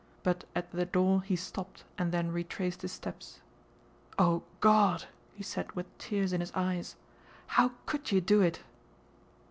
But at the door he stopped and then retraced his steps. "O God," he said with tears in his eyes, "how could you do it?"